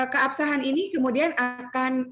keabsahan ini kemudian akan